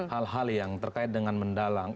hal hal yang terkait dengan mendalang